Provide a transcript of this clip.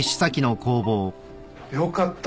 よかった。